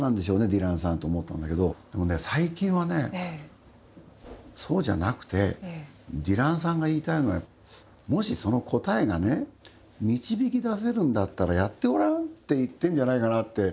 ディランさんと思ったんだけどでも、最近はね、そうじゃなくてディランさんが言いたいのはもしその答えがね導き出せるんだったらやってごらんって言ってんじゃないかなって。